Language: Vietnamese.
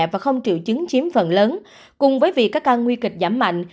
và không triệu chứng chiếm phần lớn cùng với việc các ca nguy kịch giảm mạnh